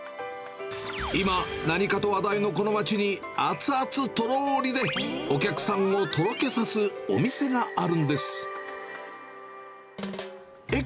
今、何かと話題のこの街に、熱々とろーりでお客さんをとろけさすお店があるんです。